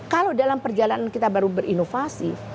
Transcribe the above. kalau dalam perjalanan kita baru berinovasi